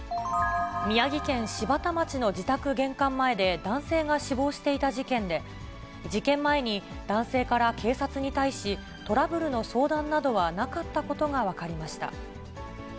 宮城県柴田町の自宅玄関前で男性が死亡していた事件で、事件前に、男性から警察に対し、トラブルの相談などはなかったことが分かりました。